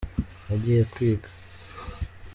nagiye kwiga.